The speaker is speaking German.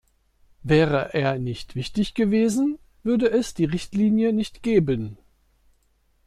Wäre er nicht wichtig gewesen, würde es die Richtlinie nicht geben.